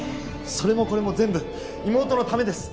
それもこれも全部妹のためです。